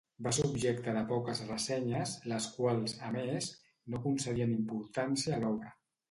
Va ser objecte de poques ressenyes, les quals, a més, no concedien importància a l'obra.